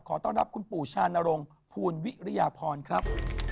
นะครับขอต้องรับคุณปู่ชานรงค์ผูลวิยพอนครับ